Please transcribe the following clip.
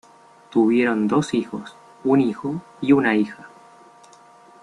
Tuvieron dos hijos, un hijo y una hija.